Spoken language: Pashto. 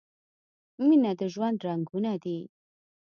مینه د ژوند رنګونه دي.